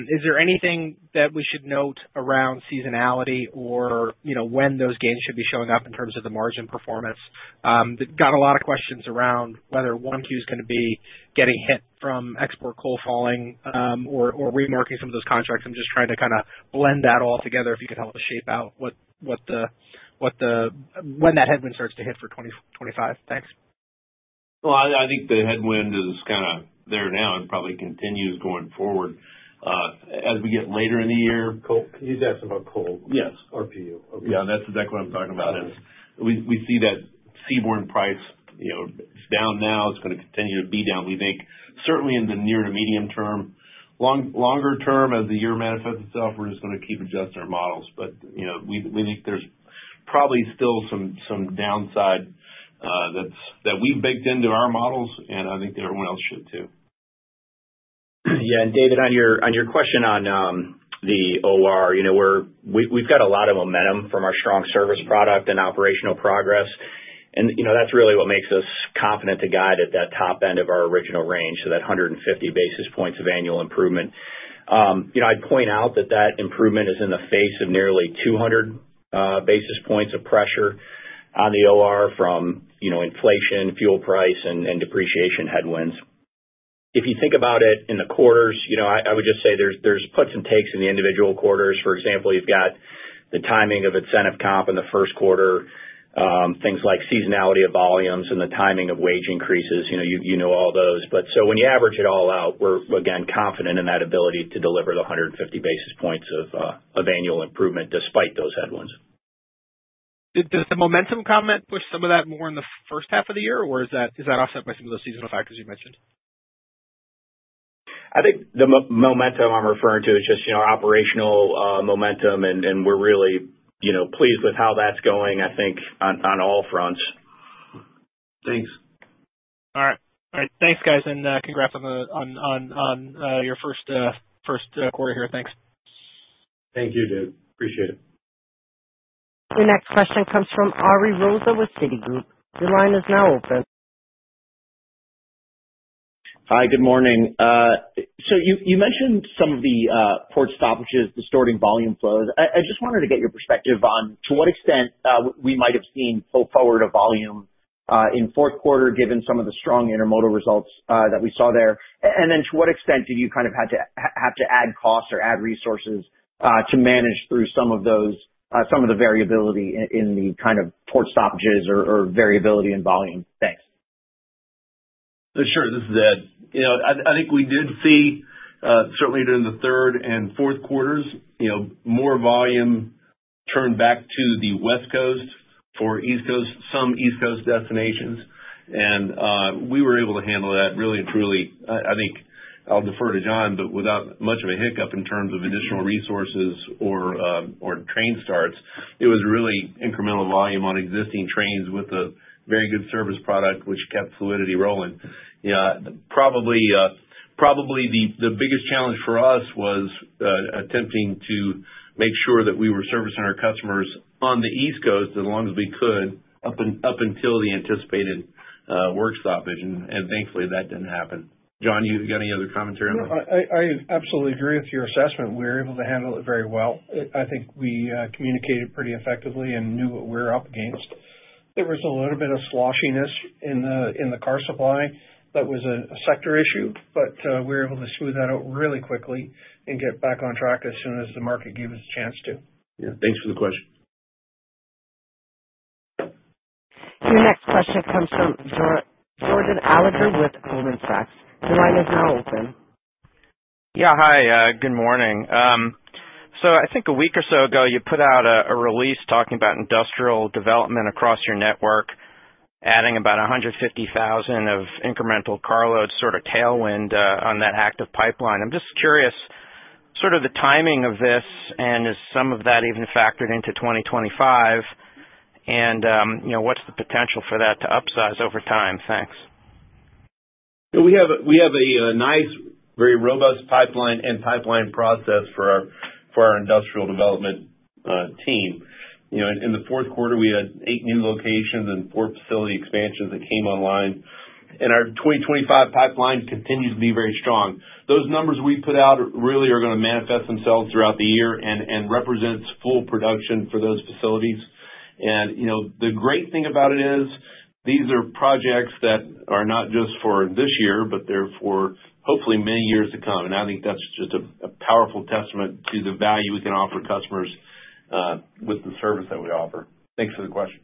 is there anything that we should note around seasonality or when those gains should be showing up in terms of the margin performance? Got a lot of questions around whether 1Q is going to be getting hit from export coal falling or remarking some of those contracts. I'm just trying to kind of blend that all together if you could help us shape out when that headwind starts to hit for 2025. Thanks. I think the headwind is kind of there now and probably continues going forward as we get later in the year. Coal. Can you ask about coal? Yes. RPU. Yeah. That's exactly what I'm talking about. We see that seaborne price is down now. It's going to continue to be down. We think certainly in the near to medium term. Longer term, as the year manifests itself, we're just going to keep adjusting our models. But we think there's probably still some downside that we've baked into our models. And I think everyone else should too. Yeah. And, David, on your question on the OR, we've got a lot of momentum from our strong service product and operational progress. And that's really what makes us confident to guide at that top end of our original range, so that 150 basis points of annual improvement. I'd point out that that improvement is in the face of nearly 200 basis points of pressure on the OR from inflation, fuel price, and depreciation headwinds. If you think about it in the quarters, I would just say there's puts and takes in the individual quarters. For example, you've got the timing of incentive comp in the first quarter, things like seasonality of volumes and the timing of wage increases. You know all those. But so when you average it all out, we're, again, confident in that ability to deliver the 150 basis points of annual improvement despite those headwinds. Does the momentum comment push some of that more in the first half of the year, or is that offset by some of those seasonal factors you mentioned? I think the momentum I'm referring to is just operational momentum, and we're really pleased with how that's going, I think, on all fronts. Thanks. All right. All right. Thanks, guys. And congrats on your first quarter here. Thanks. Thank you, David. Appreciate it. Your next question comes from Ari Rosa with Citigroup. Your line is now open. Hi. Good morning. So you mentioned some of the port stoppages, distorting volume flows. I just wanted to get your perspective on to what extent we might have seen pull forward of volume in fourth quarter given some of the strong intermodal results that we saw there. And then to what extent did you kind of have to add costs or add resources to manage through some of the variability in the kind of port stoppages or variability in volume? Thanks. Sure. This is Ed. I think we did see, certainly during the third and fourth quarters, more volume turned back to the West Coast for some East Coast destinations. And we were able to handle that really and truly. I think I'll defer to John, but without much of a hiccup in terms of additional resources or train starts, it was really incremental volume on existing trains with a very good service product, which kept fluidity rolling. Probably the biggest challenge for us was attempting to make sure that we were servicing our customers on the East Coast as long as we could up until the anticipated work stoppage. And thankfully, that didn't happen. John, you got any other commentary on that? I absolutely agree with your assessment. We were able to handle it very well. I think we communicated pretty effectively and knew what we were up against. There was a little bit of sloppiness in the car supply that was a sector issue. But we were able to smooth that out really quickly and get back on track as soon as the market gave us a chance to. Yeah. Thanks for the question. Your next question comes from Jordan Alliger with Goldman Sachs. Your line is now open. Yeah. Hi. Good morning. So I think a week or so ago, you put out a release talking about industrial development across your network, adding about 150,000 of incremental carload sort of tailwind on that active pipeline. I'm just curious sort of the timing of this, and is some of that even factored into 2025? And what's the potential for that to upsize over time? Thanks. We have a nice, very robust pipeline and pipeline process for our industrial development team. In the fourth quarter, we had eight new locations and four facility expansions that came online. And our 2025 pipeline continues to be very strong. Those numbers we put out really are going to manifest themselves throughout the year and represent full production for those facilities. And the great thing about it is these are projects that are not just for this year, but they're for hopefully many years to come. And I think that's just a powerful testament to the value we can offer customers with the service that we offer. Thanks for the question.